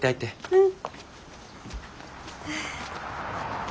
うん。